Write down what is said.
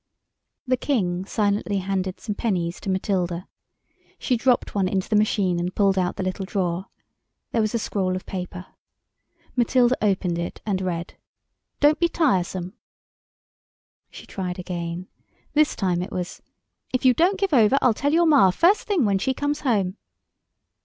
The King silently handed some pennies to Matilda. She dropped one into the machine and pulled out the little drawer. There was a scroll of paper. Matilda opened it and read— "Don't be tiresome." She tried again. This time it was— "If you don't give over I'll tell your Ma first thing when she comes home."